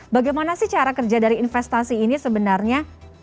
bagaimana sih cara kerja dari investasi ini sebenarnya